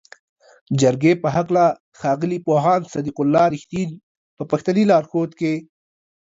جرګې په هکله ښاغلي پوهاند صدیق الله "رښتین" په پښتني لارښود کې